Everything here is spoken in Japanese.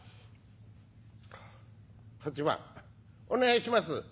お願いします」。